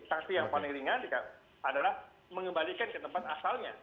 sanksi yang paling ringan adalah mengembalikan ke tempat asalnya